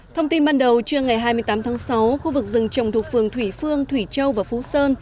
thông tin ban đầu trưa ngày hai mươi tám tháng sáu khu vực rừng trồng thuộc phường thủy phương thủy châu và phú sơn